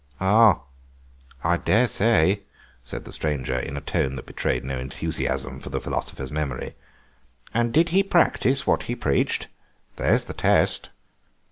"Ah, I daresay," said the stranger, in a tone that betrayed no enthusiasm for the philosopher's memory; "and did he practise what he preached? That's the test."